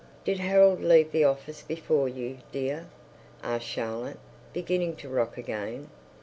"Did Harold leave the office before you, dear?" asked Charlotte, beginning to rock again.